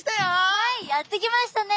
はいやって来ましたね。